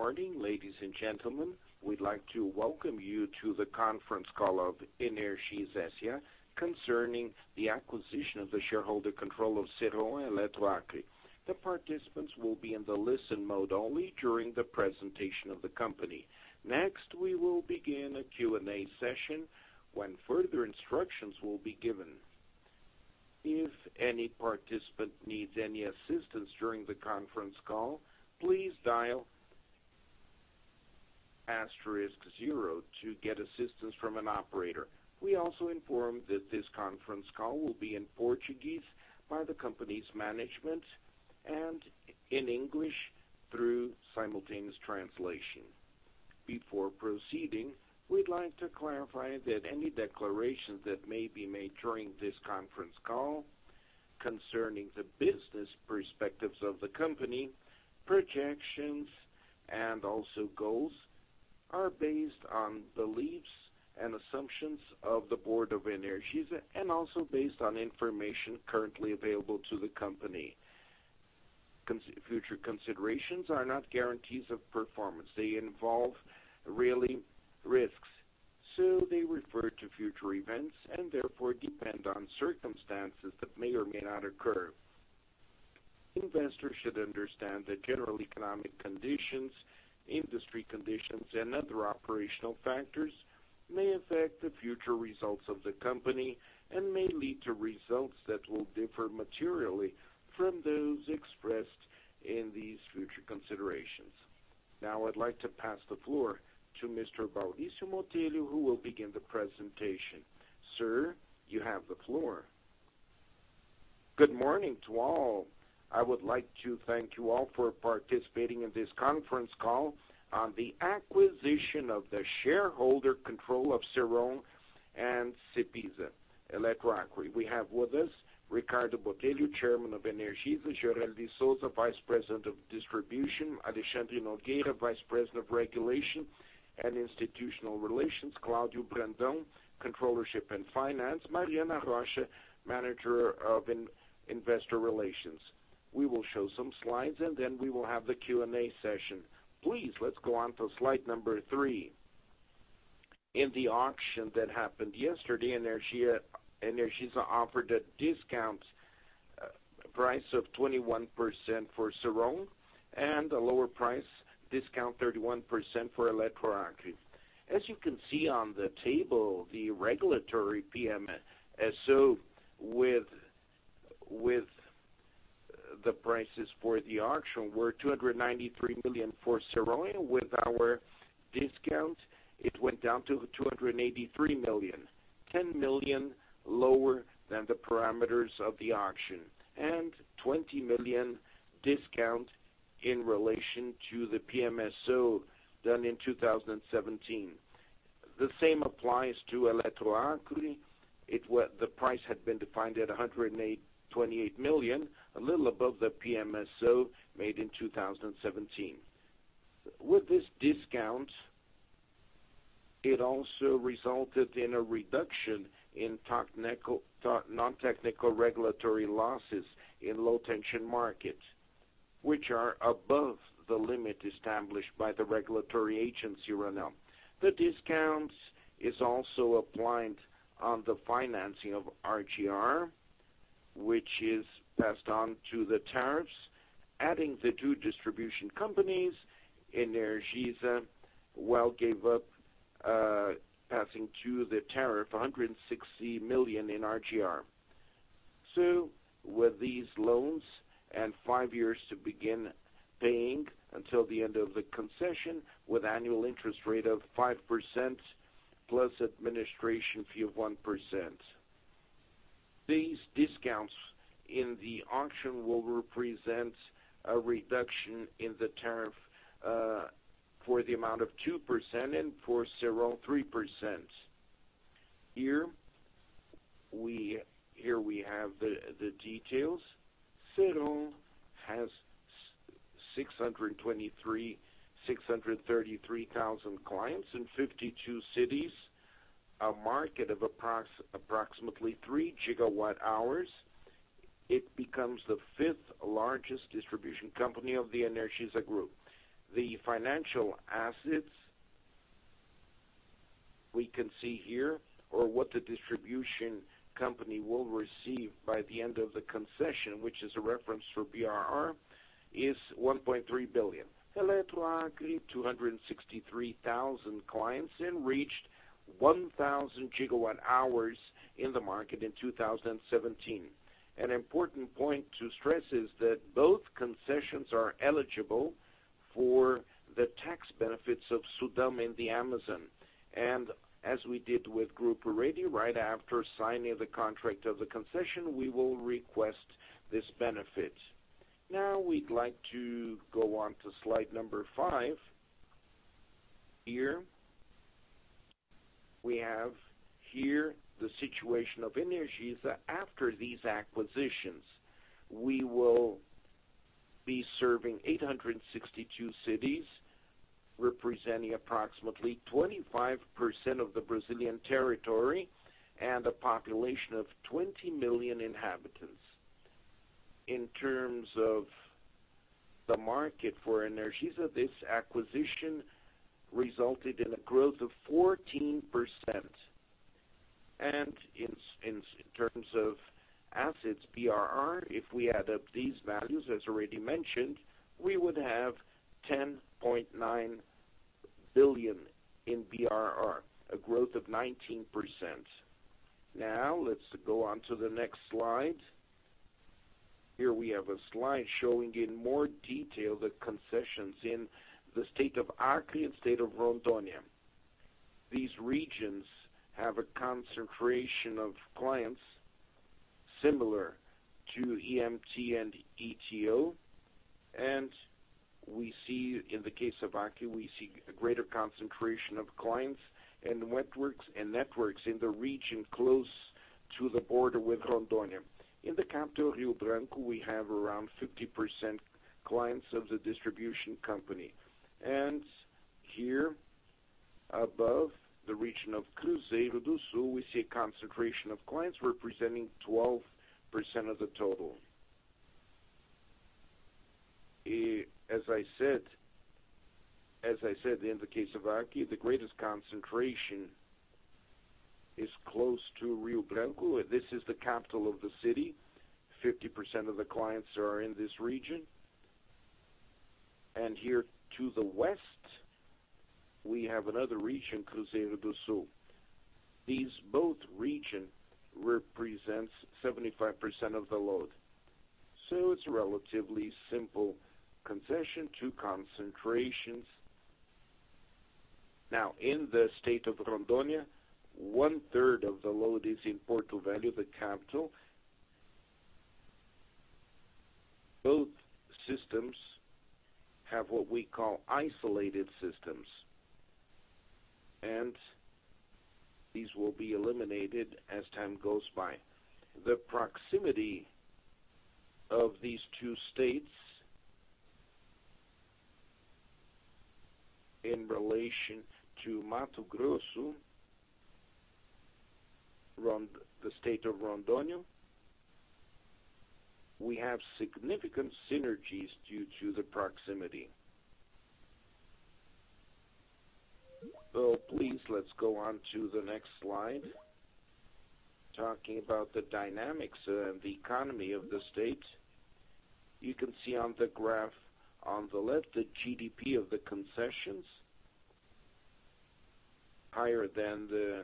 Good morning, ladies and gentlemen. We would like to welcome you to the conference call of Energisa concerning the acquisition of the shareholder control of Ceron Eletroacre. The participants will be in the listen mode only during the presentation of the company. Next, we will begin a Q&A session when further instructions will be given. If any participant needs any assistance during the conference call, please dial *0 to get assistance from an operator. We also inform that this conference call will be in Portuguese by the company's management and in English through simultaneous translation. Before proceeding, we would like to clarify that any declarations that may be made during this conference call concerning the business perspectives of the company, projections, and also goals, are based on beliefs and assumptions of the board of Energisa, and also based on information currently available to the company. Future considerations are not guarantees of performance. They involve risks. They refer to future events and therefore depend on circumstances that may or may not occur. Investors should understand that general economic conditions, industry conditions, and other operational factors may affect the future results of the company and may lead to results that will differ materially from those expressed in these future considerations. Now I would like to pass the floor to Mr. Maurício Botelho who will begin the presentation. Sir, you have the floor. Good morning to all. I would like to thank you all for participating in this conference call on the acquisition of the shareholder control of Ceron and Eletroacre. We have with us Ricardo Botelho, Chairman of Energisa, Geraldo Souza, Vice President of Distribution, Alexandre Nogueira, Vice President of Regulation and Institutional Relations, Cláudio Brandão, Controllership and Finance, Mariana Rocha, Manager of Investor Relations. We will show some slides and then we will have the Q&A session. Please, let's go on to slide number three. In the auction that happened yesterday, Energisa offered a discount price of 21% for Ceron and a lower price discount 31% for Eletroacre. As you can see on the table, the regulatory PMSO with the prices for the auction were 293 million for Ceron. With our discount, it went down to 283 million, 10 million lower than the parameters of the auction, and 20 million discount in relation to the PMSO done in 2017. The same applies to Eletroacre. The price had been defined at 128 million, a little above the PMSO made in 2017. With this discount, it also resulted in a reduction in non-technical regulatory losses in low-tension markets, which are above the limit established by the regulatory agency, ANEEL. The discounts is also applied on the financing of RGR, which is passed on to the tariffs, adding the two distribution companies. Energisa gave up passing to the tariff 160 million in RGR. With these loans and five years to begin paying until the end of the concession with annual interest rate of 5% plus administration fee of 1%. These discounts in the auction will represent a reduction in the tariff for the amount of 2%, and for Ceron, 3%. Here we have the details. Ceron has 633,000 clients in 52 cities, a market of approximately three gigawatt-hours. It becomes the fifth-largest distribution company of the Energisa Group. The financial assets we can see here or what the distribution company will receive by the end of the concession, which is a reference for BRR, is 1.3 billion. Eletroacre, 263,000 clients and reached 1,000 gigawatt-hours in the market in 2017. An important point to stress is that both concessions are eligible for the tax benefits of SUDAM in the Amazon. As we did with Grupo Rede right after signing the contract of the concession, we will request this benefit. We'd like to go on to slide number five. Here we have the situation of Energisa after these acquisitions. We will be serving 862 cities, representing approximately 25% of the Brazilian territory and a population of 20 million inhabitants. In terms of the market for Energisa, this acquisition resulted in a growth of 14%. In terms of assets, BRR, if we add up these values, as already mentioned, we would have 10.9 billion in BRR, a growth of 19%. Let's go on to the next slide. Here we have a slide showing in more detail the concessions in the state of Acre and the state of Rondônia. These regions have a concentration of clients similar to EMT and ETO, we see in the case of Acre, we see a greater concentration of clients and networks in the region close to the border with Rondônia. In the capital, Rio Branco, we have around 50% clients of the distribution company. Here above the region of Cruzeiro do Sul, we see a concentration of clients representing 12% of the total. As I said, in the case of Acre, the greatest concentration is close to Rio Branco. This is the capital of the city. 50% of the clients are in this region. Here to the west, we have another region, Cruzeiro do Sul. These both region represents 75% of the load. It's a relatively simple concession, two concentrations. In the state of Rondônia, one-third of the load is in Porto Velho, the capital. Both systems have what we call isolated systems. These will be eliminated as time goes by. The proximity of these two states in relation to Mato Grosso, the state of Rondônia, we have significant synergies due to the proximity. Let's go on to the next slide. Talking about the dynamics and the economy of the state. You can see on the graph on the left, the GDP of the concessions higher than the,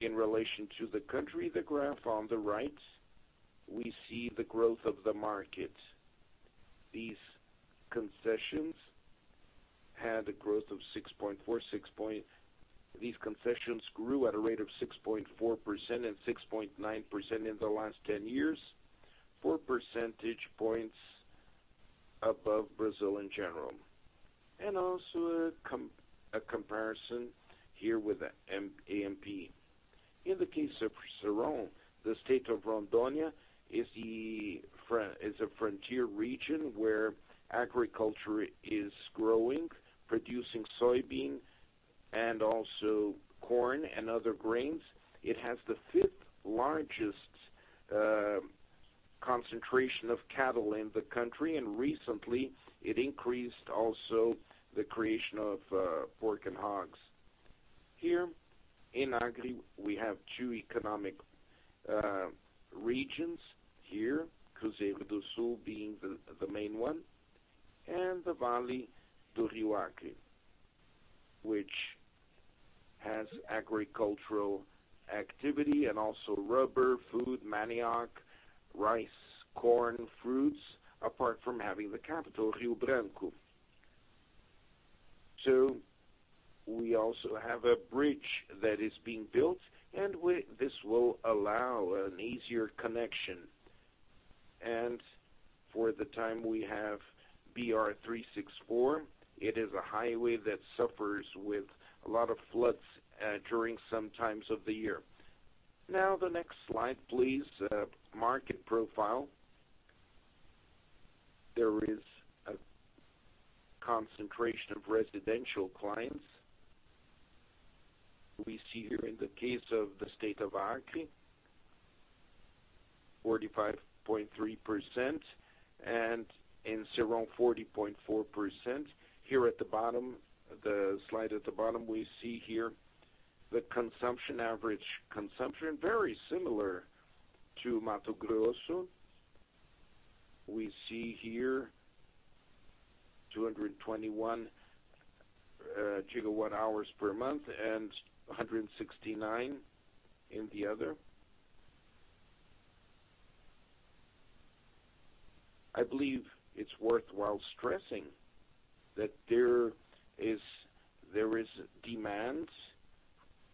in relation to the country, the graph on the right. We see the growth of the market. These concessions grew at a rate of 6.4% and 6.9% in the last 10 years, four percentage points above Brazil in general. Also a comparison here with (AMP). In the case of Ceron, the state of Rondônia is a frontier region where agriculture is growing, producing soybean and also corn and other grains. It has the fifth largest concentration of cattle in the country, recently it increased also the creation of pork and hogs. Here in Acre, we have two economic regions here, Cruzeiro do Sul being the main one, and the Vale do Rio Acre, which has agricultural activity and also rubber, food, manioc, rice, corn, fruits, apart from having the capital, Rio Branco. We also have a bridge that is being built, this will allow an easier connection. For the time we have BR-364, it is a highway that suffers with a lot of floods during some times of the year. The next slide. Market profile. There is a concentration of residential clients. We see here in the case of the state of Acre, 45.3%, and in Ceron, 40.4%. Here at the bottom, the slide at the bottom, we see here the average consumption, very similar to Mato Grosso. We see here 221 gigawatt hours per month and 169 in the other. I believe it is worthwhile stressing that there is demand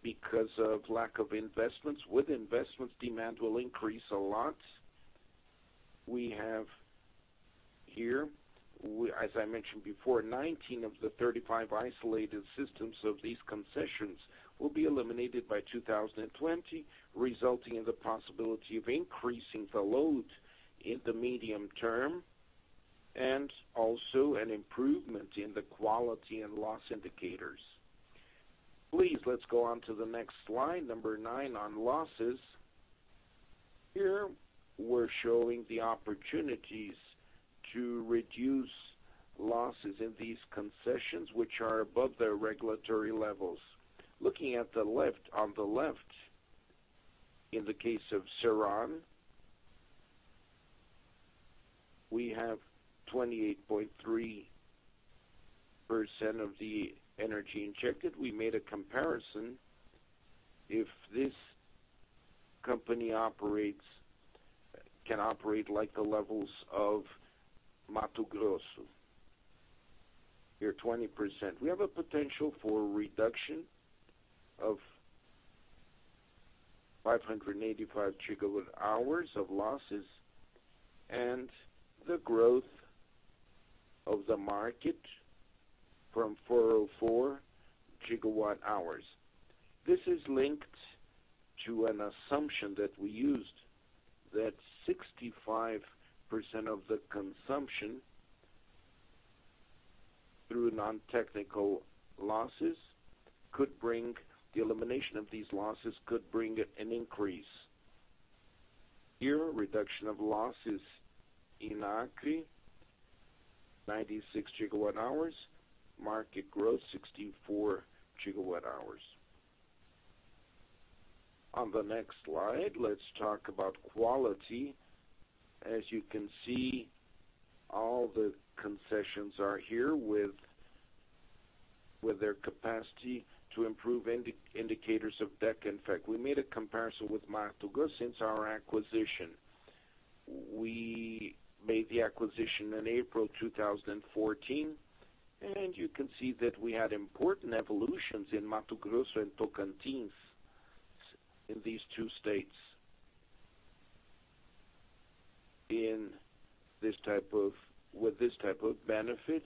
because of lack of investments. With investments, demand will increase a lot. We have here, as I mentioned before, 19 of the 35 isolated systems of these concessions will be eliminated by 2020, resulting in the possibility of increasing the load in the medium term and also an improvement in the quality and loss indicators. Please, let us go on to the next slide nine on losses. Here, we are showing the opportunities to reduce losses in these concessions, which are above their regulatory levels. Looking at the left, on the left, in the case of Ceron, we have 28.3% of the energy injected. We made a comparison, if this company can operate like the levels of Mato Grosso. Here, 20%. We have a potential for a reduction of 585 gigawatt hours of losses, and the growth of the market from 404 gigawatt hours. This is linked to an assumption that we used that 65% of the consumption through non-technical losses, the elimination of these losses could bring an increase. Here, reduction of losses in Acre, 96 gigawatt hours, market growth 64 gigawatt hours. On the next slide, let us talk about quality. As you can see, all the concessions are here with their capacity to improve indicators of DEC/FEC. In fact, we made a comparison with Mato Grosso since our acquisition. We made the acquisition in April 2014, and you can see that we had important evolutions in Mato Grosso and Tocantins in these two states. With this type of benefit,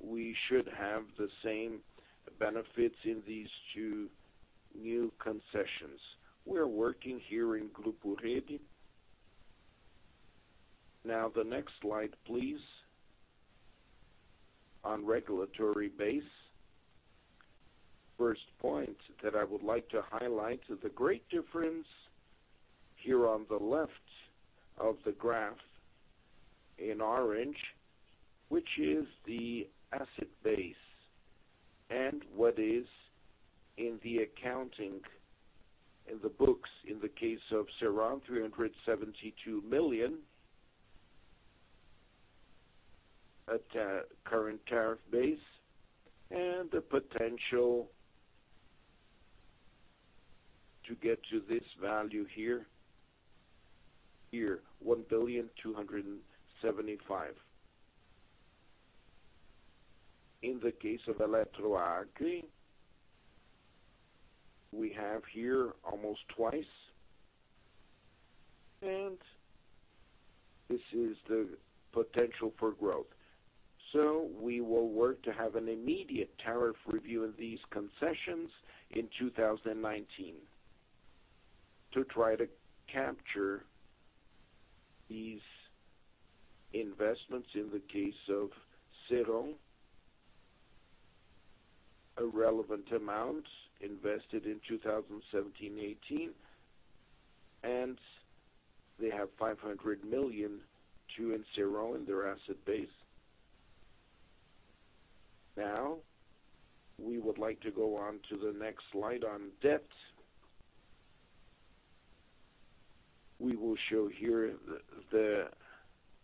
we're should have the same benefits in these two new concessions. We are working here in Grupo Rede. The next slide, please. On regulatory base. First point that I would like to highlight, the great difference here on the left of the graph in orange, which is the asset base, and what is in the accounting, in the books, in the case of Ceron, 372 million at current tariff base, and the potential to get to this value here, BRL 1,000,275,000. In the case of Eletroacre, we have here almost twice, and this is the potential for growth. We will work to have an immediate tariff review of these concessions in 2019 to try to capture these investments. In the case of Ceron, irrelevant amounts invested in 2017/'18, and they have 500 million to Ceron in their asset base. We would like to go on to the next slide on debt. We will show here the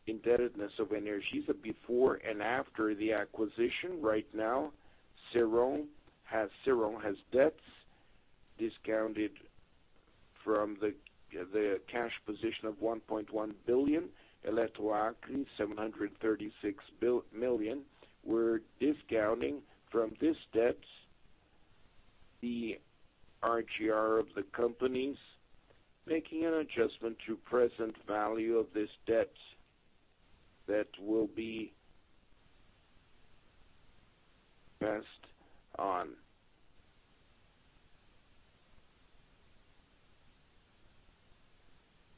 indebtedness of Energisa before and after the acquisition. Right now, Ceron has debts discounted from the cash position of 1.1 billion. Eletroacre, 736 million. We are discounting from this debt the RGR of the companies, making an adjustment to present value of this debt that will be passed on.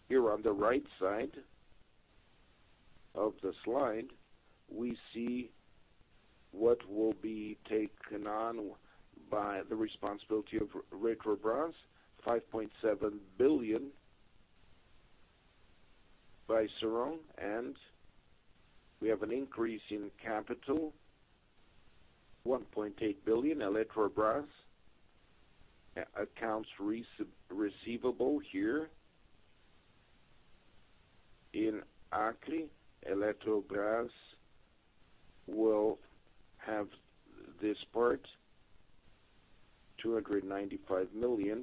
Here on the right side of the slide, we see what will be taken on by the responsibility of Eletrobras, 5.7 billion by Ceron, and we have an increase in capital, BRL 1.8 billion Eletrobras accounts receivable here. In Acre, Eletrobras will have this part, 295 million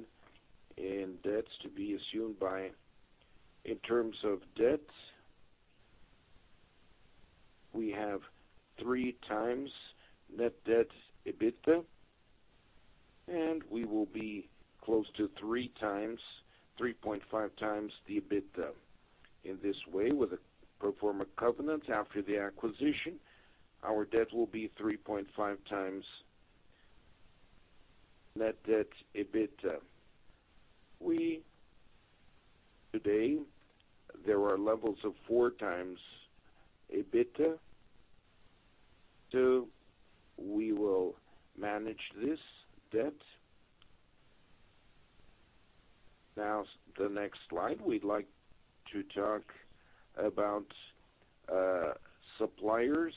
in debts to be assumed by. In terms of debt, we have three times net debt EBITDA, and we will be close to 3.5 times the EBITDA. In this way, with a pro forma covenant after the acquisition, our debt will be 3.5 times net debt EBITDA. Today, there are levels of 4 times EBITDA. We will manage this debt. The next slide, we'd like to talk about suppliers.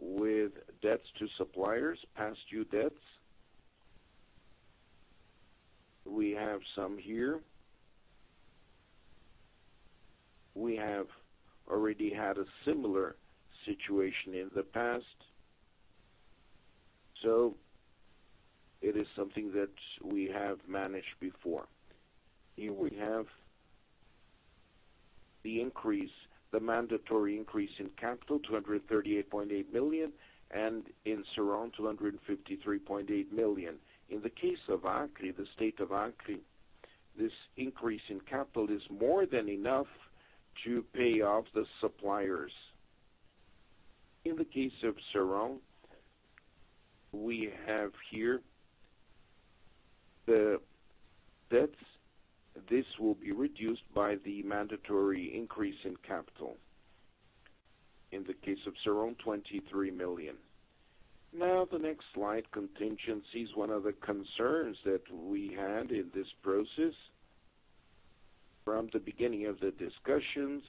With debts to suppliers, past due debts. We have some here. We have already had a similar situation in the past, so it is something that we have managed before. Here we have the mandatory increase in capital, 238.8 million, and in Ceron, 253.8 million. In the case of Acre, the state of Acre, this increase in capital is more than enough to pay off the suppliers. In the case of Ceron, we have here the debts. This will be reduced by the mandatory increase in capital. In the case of Ceron, 23 million. The next slide, contingencies. One of the concerns that we had in this process from the beginning of the discussions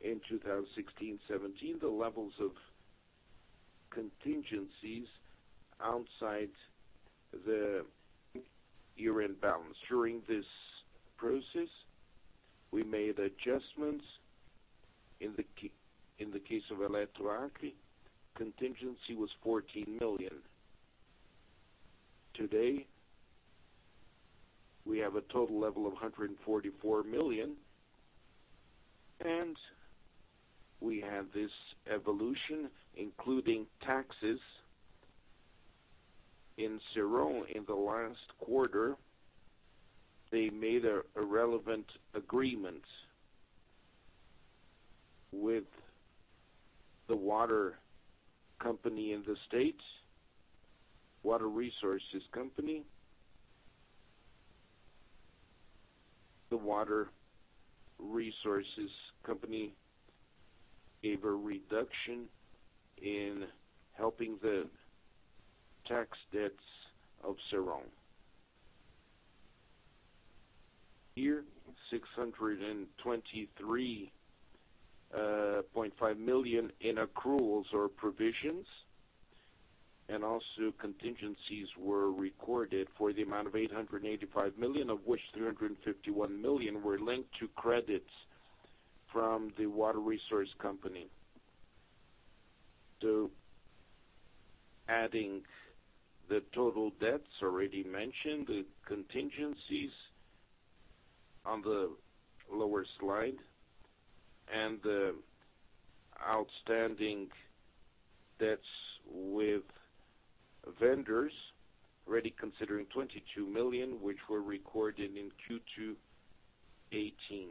in 2016-2017, the levels of contingencies outside the year-end balance. During this process, we made adjustments. In the case of Eletroacre, contingency was BRL 14 million. Today, we have a total level of 144 million, and we have this evolution, including taxes. In Ceron in the last quarter, they made a relevant agreement with the water company in the state, Water Resources Company. The Water Resources Company gave a reduction in helping the tax debts of Ceron. Here, 623.5 million in accruals or provisions, and also contingencies were recorded for the amount of 885 million, of which 351 million were linked to credits from the Water Resource Company. Adding the total debts already mentioned, the contingencies on the lower slide, and the outstanding debts with vendors, already considering 22 million, which were recorded in Q2 2018.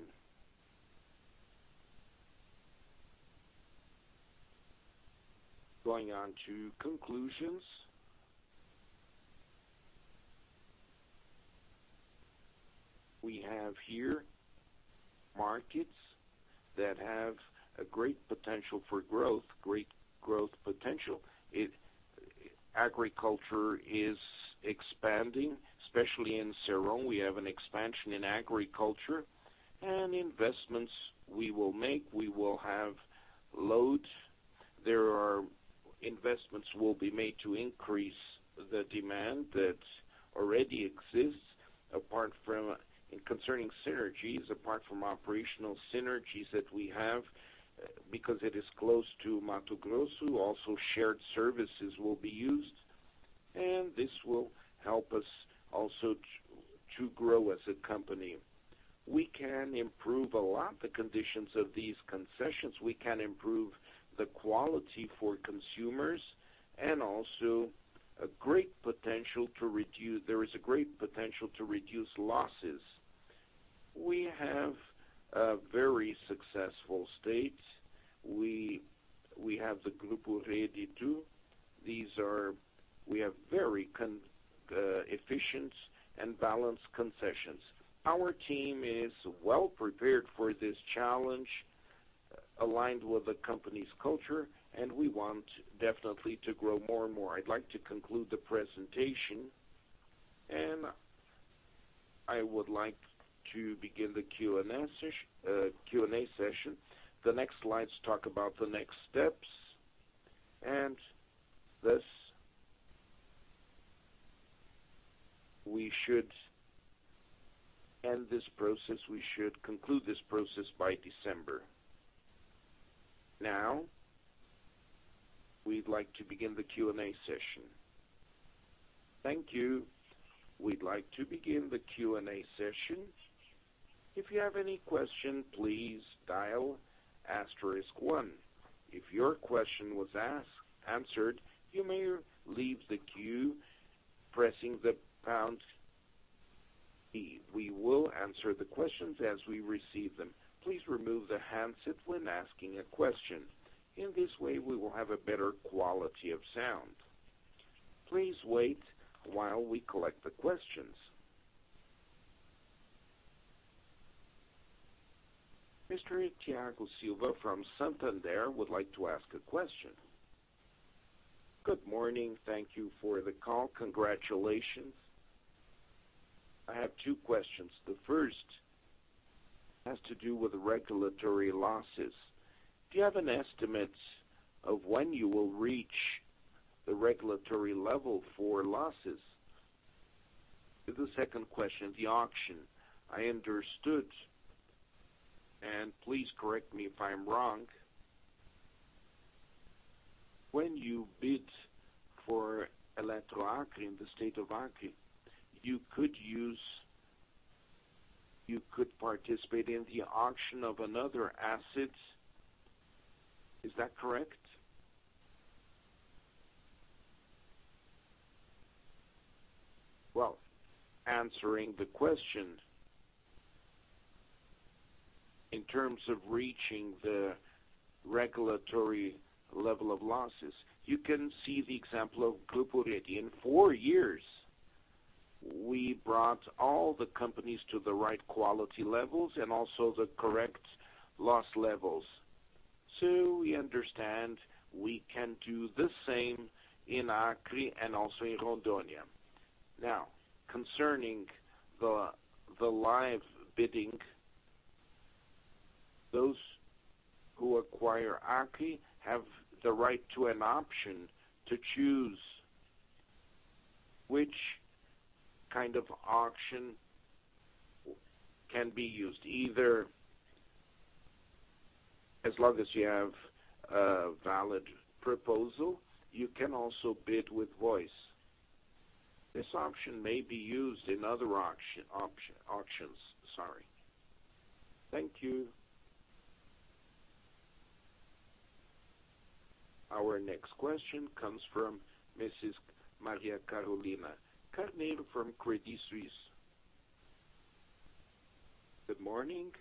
Going on to conclusions. We have here markets that have a great potential for growth, great growth potential. Agriculture is expanding, especially in Ceron. We have an expansion in agriculture, and investments we will make. We will have loads. Investments will be made to increase the demand that already exists. Concerning synergies, apart from operational synergies that we have, because it is close to Mato Grosso, also shared services will be used, and this will help us also to grow as a company. We can improve a lot the conditions of these concessions. We can improve the quality for consumers, and also there is a great potential to reduce losses. We have a very successful state. We have the Grupo Rede 2. We have very efficient and balanced concessions. Our team is well prepared for this challenge, aligned with the company's culture, and we want definitely to grow more and more. I'd like to conclude the presentation, and I would like to begin the Q&A session. The next slides talk about the next steps, and thus we should end this process, we should conclude this process by December. We'd like to begin the Q&A session. Thank you. We'd like to begin the Q&A session. If you have any question, please dial asterisk 1. If your question was answered, you may leave the queue pressing the pound key. We will answer the questions as we receive them. Please remove the handset when asking a question. In this way, we will have a better quality of sound. Please wait while we collect the questions. Mr. Thiago Silva from Santander would like to ask a question. Good morning. Thank you for the call. Congratulations. I have two questions. The first has to do with regulatory losses. Do you have an estimate of when you will reach the regulatory level for losses? The second question, the auction. I understood, and please correct me if I'm wrong, when you bid for Eletroacre in the state of Acre, you could participate in the auction of another asset. Is that correct? Well, answering the question, in terms of reaching the regulatory level of losses, you can see the example of Grupo Rede. In four years, we brought all the companies to the right quality levels and also the correct loss levels. We understand we can do the same in Acre and also in Rondônia. Concerning the live bidding, those who acquire Acre have the right to an option to choose which kind of auction can be used. Either as long as you have a valid proposal, you can also bid with voice. This option may be used in other auctions. Sorry. Thank you. Our next question comes from Mrs. Maria Carolina Carneiro from Credit Suisse. Good morning.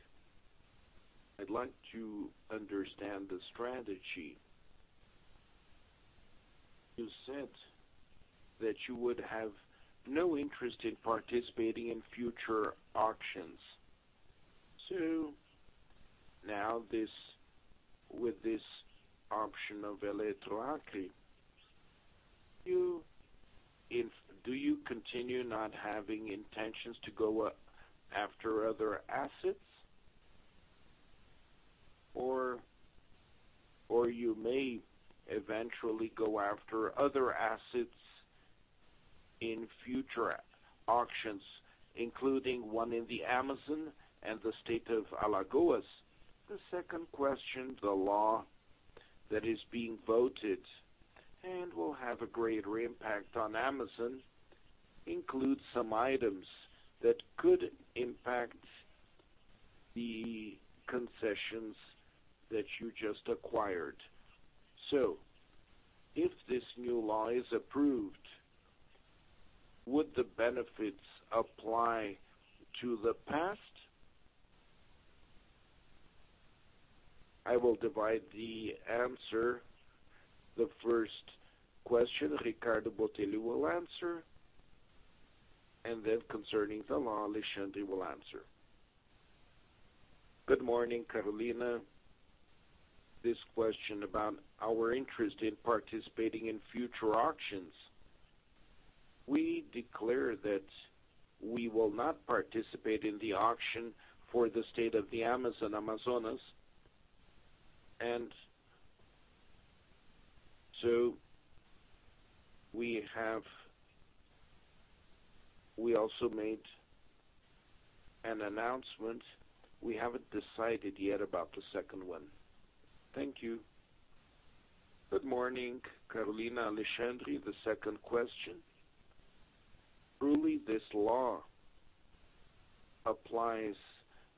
I'd like to understand the strategy. You said that you would have no interest in participating in future auctions. Now with this auction of Eletroacre, do you continue not having intentions to go after other assets? Or you may eventually go after other assets in future auctions, including one in the Amazon and the state of Alagoas. The second question, the law that is being voted and will have a greater impact on Amazon includes some items that could impact the concessions that you just acquired. If this new law is approved, would the benefits apply to the past? I will divide the answer. The first question, Ricardo Botelho will answer, and then concerning the law, Alexandre will answer. Good morning, Carolina. This question about our interest in participating in future auctions. We declare that we will not participate in the auction for the state of the Amazon, Amazonas. We also made an announcement. We haven't decided yet about the second one. Thank you. Good morning, Carolina. Alexandre, the second question. Truly, this law applies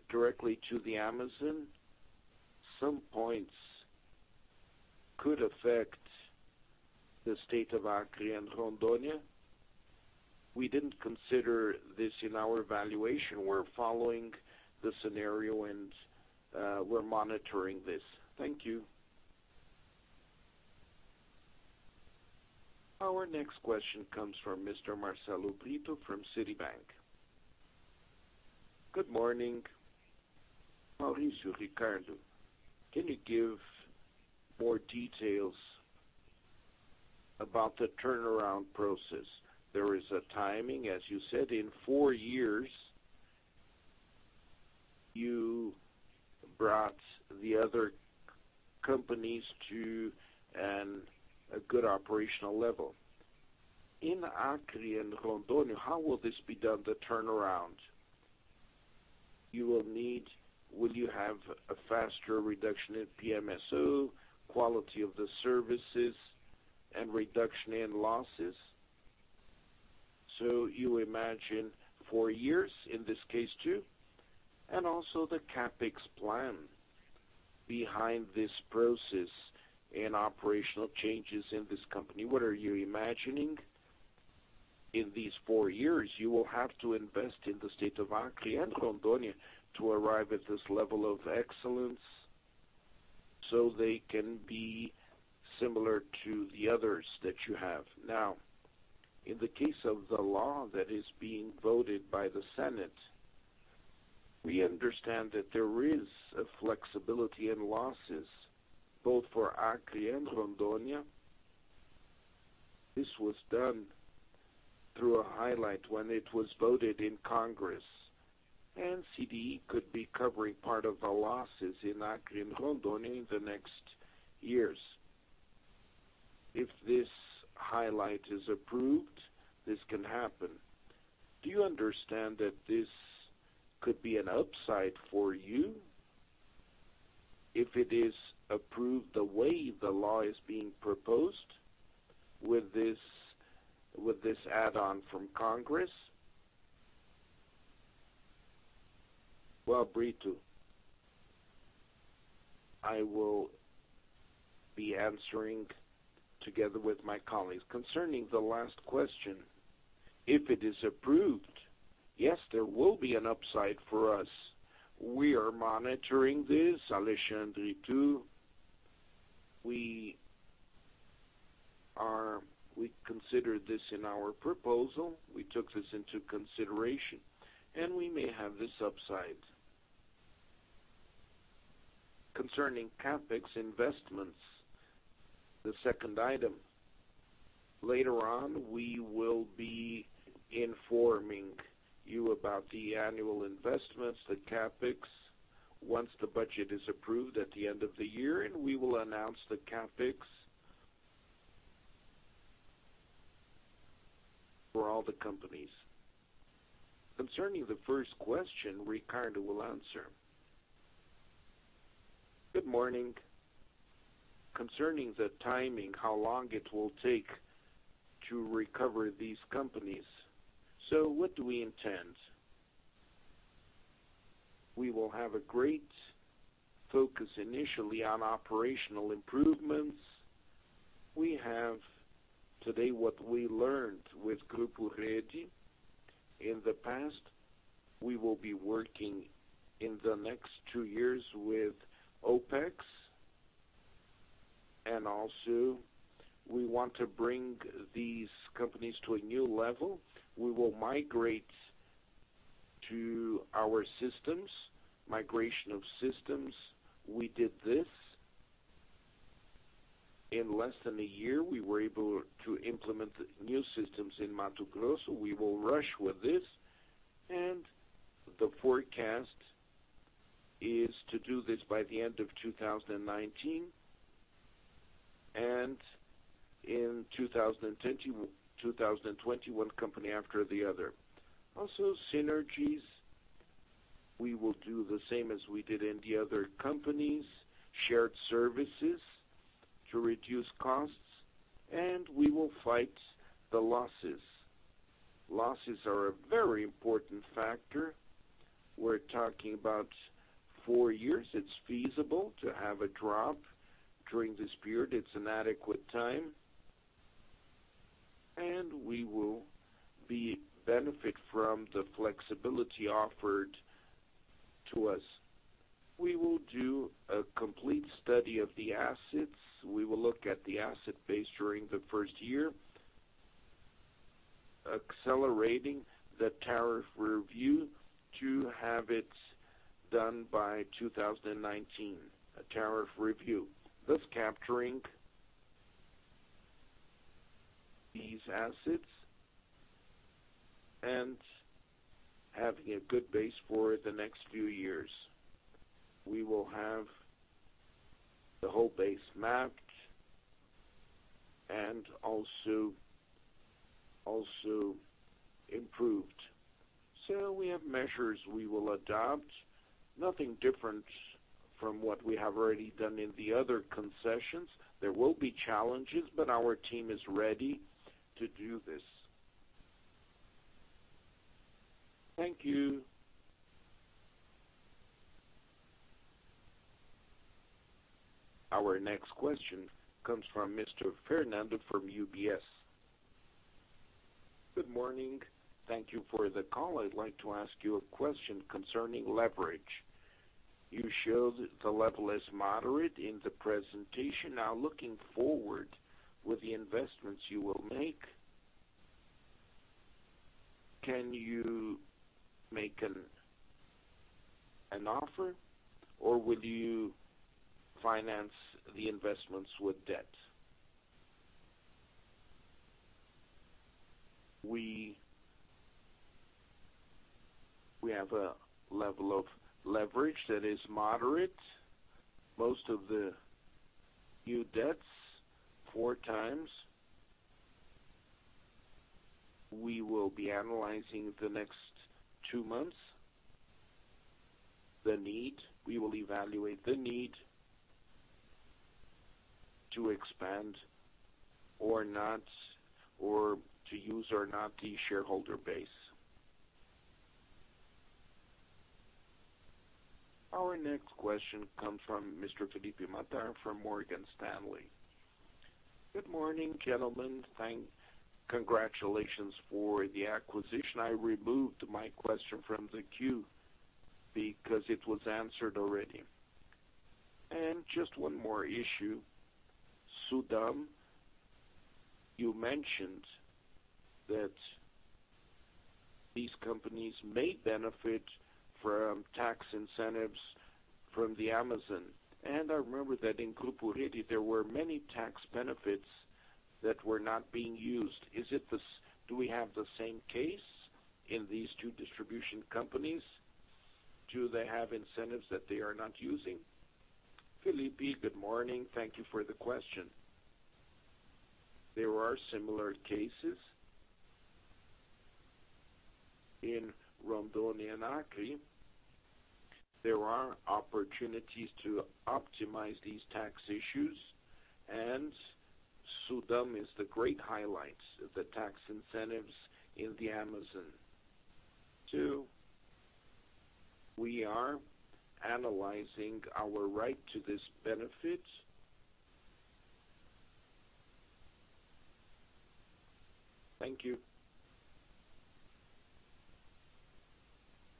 directly to the Amazon. Some points could affect the state of Acre and Rondônia. We didn't consider this in our evaluation. We're following the scenario, and we're monitoring this. Thank you. Our next question comes from Mr. Marcelo Britto from Citibank. Good morning. Mauricio, Ricardo, can you give more details about the turnaround process? There is a timing, as you said, in four years you brought the other companies to a good operational level. In Acre and Rondônia how will this be done, the turnaround? Will you have a faster reduction in PMSO, quality of the services, and reduction in losses? You imagine four years in this case, too? Also the CapEx plan behind this process and operational changes in this company. What are you imagining in these four years you will have to invest in the state of Acre and Rondônia to arrive at this level of excellence? They can be similar to the others that you have. Now, in the case of the law that is being voted by the Senate, we understand that there is a flexibility in losses, both for Acre and Rondônia. This was done through a highlight when it was voted in Congress, and CDE could be covering part of the losses in Acre and Rondônia in the next years. If this highlight is approved, this can happen. Do you understand that this could be an upside for you if it is approved the way the law is being proposed with this add-on from Congress? Well, Britto, I will be answering together with my colleagues. Concerning the last question, if it is approved, yes, there will be an upside for us. We are monitoring this, Alexandre too. We considered this in our proposal. We took this into consideration, and we may have this upside. Concerning CapEx investments, the second item. Later on, we will be informing you about the annual investments, the CapEx, once the budget is approved at the end of the year. We will announce the CapEx for all the companies. Concerning the first question, Ricardo will answer. Good morning. Concerning the timing, how long it will take to recover these companies. What do we intend? We will have a great focus initially on operational improvements. We have today what we learned with Grupo Rede in the past. We will be working in the next two years with OpEx, and also we want to bring these companies to a new level. We will migrate to our systems, migration of systems. We did this. In less than a year, we were able to implement new systems in Mato Grosso. We will rush with this, and the forecast is to do this by the end of 2019, and in 2020, one company after the other. Synergies, we will do the same as we did in the other companies, shared services to reduce costs, and we will fight the losses. Losses are a very important factor. We're talking about four years. It's feasible to have a drop during this period. It's an adequate time. We will benefit from the flexibility offered to us. We will do a complete study of the assets. We will look at the asset base during the first year, accelerating the tariff review to have it done by 2019. A tariff review. Thus capturing these assets and having a good base for the next few years. We will have the whole base mapped and also improved. We have measures we will adopt, nothing different from what we have already done in the other concessions. There will be challenges, but our team is ready to do this. Thank you. Our next question comes from Mr. Fernando from UBS. Good morning. Thank you for the call. I'd like to ask you a question concerning leverage. You showed the level is moderate in the presentation. Now, looking forward with the investments you will make, can you make an offer or will you finance the investments with debt? We have a level of leverage that is moderate. Most of the new debts, four times. We will be analyzing the next two months, the need. We will evaluate the need to expand or not, or to use or not the shareholder base. Our next question comes from Mr. Felipe Mattar from Morgan Stanley. Good morning, gentlemen. Congratulations for the acquisition. I removed my question from the queue because it was answered already. Just one more issue. SUDAM, you mentioned that these companies may benefit from tax incentives from the Amazon. I remember that in Grupo Rede, there were many tax benefits that were not being used. Do we have the same case in these two distribution companies? Do they have incentives that they are not using? Felipe, good morning. Thank you for the question. There are similar cases. In Rondônia and Acre, there are opportunities to optimize these tax issues, and SUDAM is the great highlight of the tax incentives in the Amazon. Two, we are analyzing our right to this benefit. Thank you.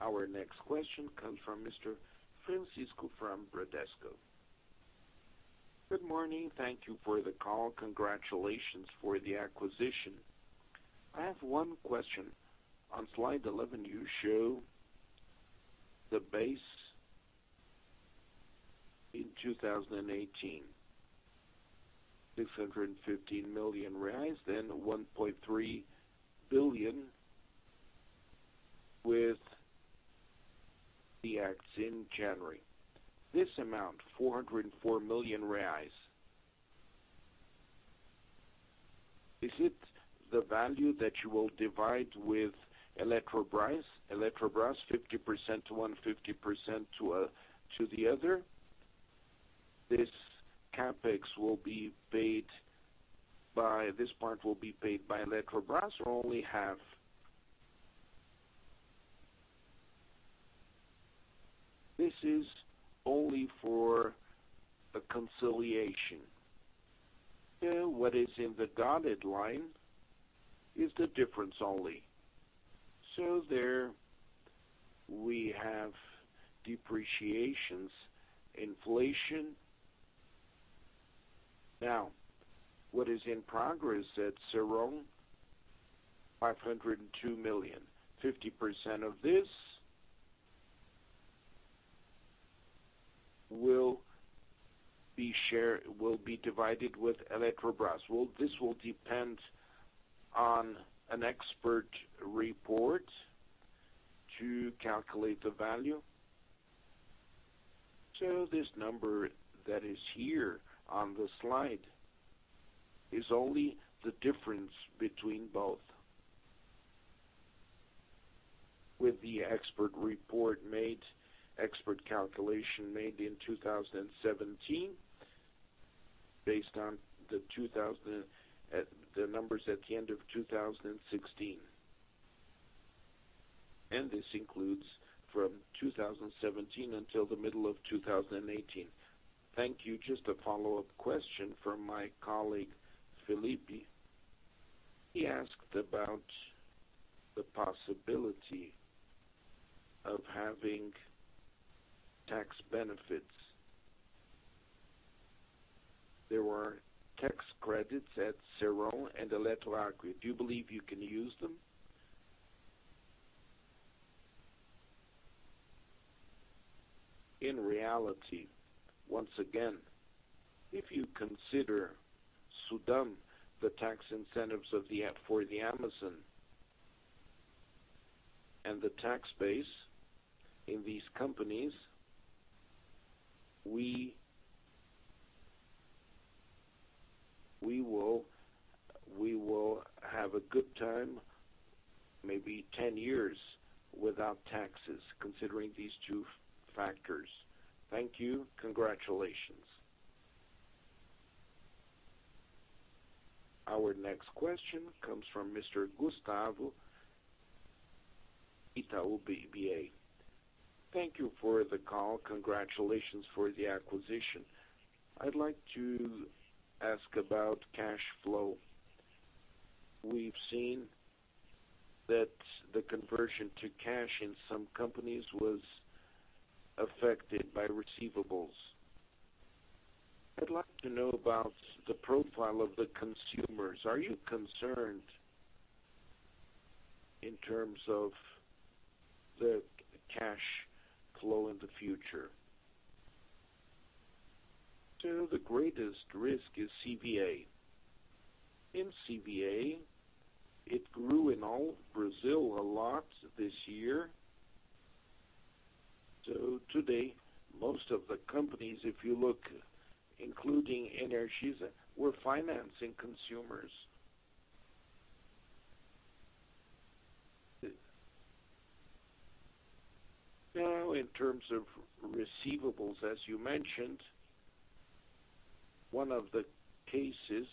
Our next question comes from Mr. Francisco from Bradesco. Good morning. Thank you for the call. Congratulations for the acquisition. I have one question. On slide 11, you show the base in 2018. 615 million reais, 1.3 billion with the acts in January. This amount, 404 million reais, is it the value that you will divide with Eletrobras 50% to one, 50% to the other? This part will be paid by Eletrobras, or only half? This is only for a conciliation. What is in the dotted line is the difference only. There we have depreciations, inflation. What is in progress at Ceron, 502 million. 50% of this will be divided with Eletrobras. This will depend on an expert report to calculate the value. This number that is here on the slide is only the difference between both. With the expert report made, expert calculation made in 2017 based on the numbers at the end of 2016. This includes from 2017 until the middle of 2018. Thank you. Just a follow-up question from my colleague, Felipe. He asked about the possibility of having tax benefits. There were tax credits at Ceron and Eletroacre. Do you believe you can use them? In reality, once again, if you consider SUDAM, the tax incentives for the Amazon and the tax base in these companies, we will have a good time, maybe 10 years without taxes, considering these two factors. Thank you. Congratulations. Our next question comes from Mr. Gustavo, Itaú BBA. Thank enormous for the call. Congratulations for the acquisition. I'd like to ask about cash flow. We've seen that the conversion to cash in some companies was affected by receivables. I'd like to know about the profile of the consumers. Are you concerned in terms of the cash flow in the future? The greatest risk is CBA. In CBA, it grew in all of Brazil a lot this year. Today, most of the companies, if you look, including Energisa, we're financing consumers. Now, in terms of receivables, as you mentioned, one of the cases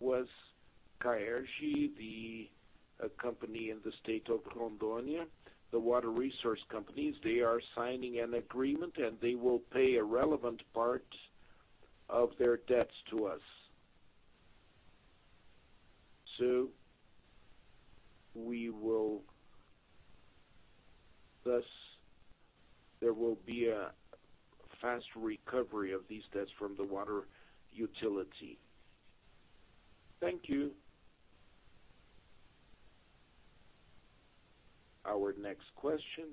was CAERD, the company in the state of Rondônia, the water resource companies, they are signing an agreement, and they will pay a relevant part of their debts to us. Thus there will be a fast recovery of these debts from the water utility. Thank you. Our next question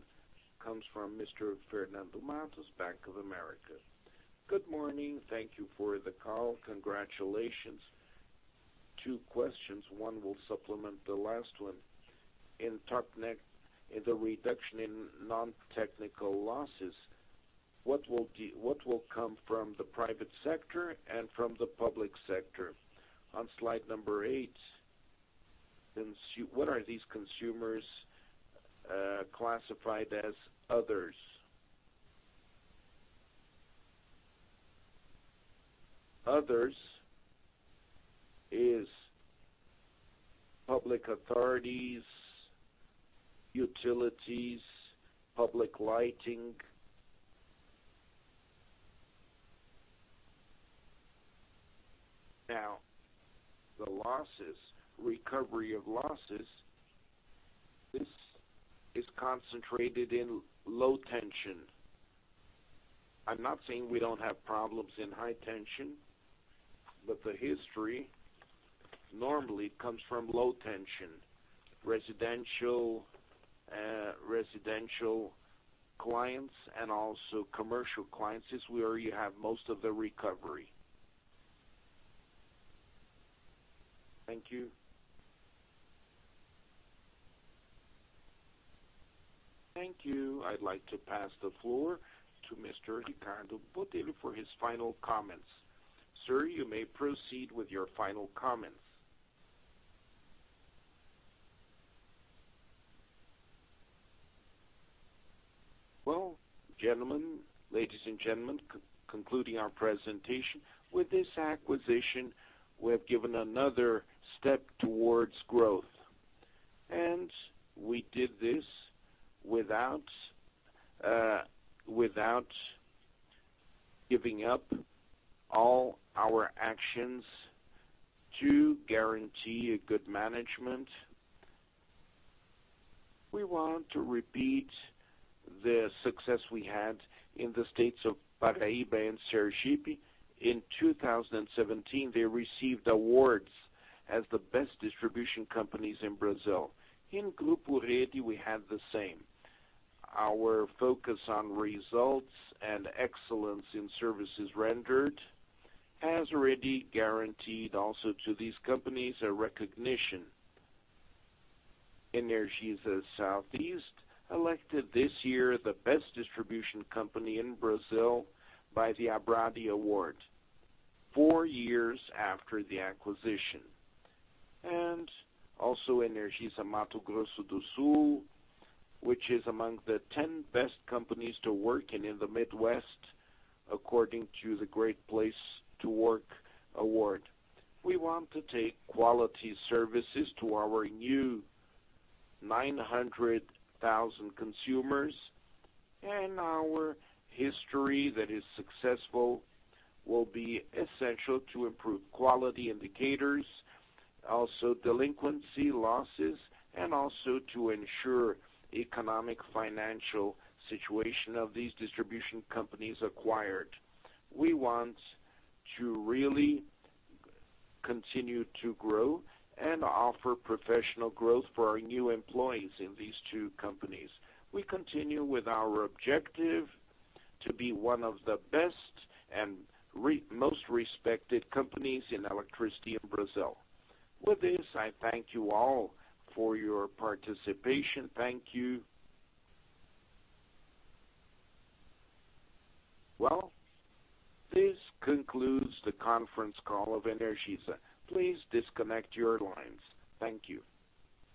comes from Mr. Fernando Mantos, Bank of America. Good morning. Thank you for the call. Congratulations. Two questions, one will supplement the last one. In Opex, in the reduction in non-technical losses, what will come from the private sector and from the public sector? On slide number eight, what are these consumers classified as others? Others is public authorities, utilities, public lighting. Now, the recovery of losses, this is concentrated in low tension. I'm not saying we don't have problems in high tension, but the history normally comes from low tension, residential clients, and also commercial clients. It's where you have most of the recovery. Thank you. Thank you. I'd like to pass the floor to Mr. Ricardo Botelho for his final comments. Sir, you may proceed with your final comments. Ladies and gentlemen, concluding our presentation. With this acquisition, we have given another step towards growth. We did this without giving up all our actions to guarantee a good management. We want to repeat the success we had in the states of Paraíba and Sergipe. In 2017, they received awards as the best distribution companies in Brazil. In Grupo Rede, we have the same. Our focus on results and excellence in services rendered has already guaranteed also to these companies a recognition. Energisa Southeast elected this year the best distribution company in Brazil by the Abradee Award, four years after the acquisition. Also Energisa Mato Grosso do Sul, which is among the 10 best companies to work in in the Midwest, according to the Great Place to Work award. We want to take quality services to our new 900,000 consumers, and our history that is successful will be essential to improve quality indicators, also delinquency losses, and also to ensure economic financial situation of these distribution companies acquired. We want to really continue to grow and offer professional growth for our new employees in these two companies. We continue with our objective to be one of the best and most respected companies in electricity in Brazil. With this, I thank you all for your participation. Thank you. This concludes the conference call of Energisa. Please disconnect your lines. Thank you.